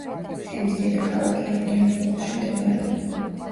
თემის დედაქალაქი ადრიანოპოლში მდებარეობდა.